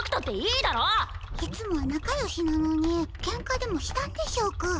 いつもはなかよしなのにケンカでもしたんでしょうか？